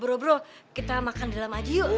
bro bro kita makan di dalam aja yuk